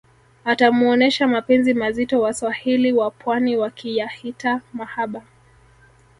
atamuonesha mapenzi mazito waswahili wapwani wakiyahita mahaba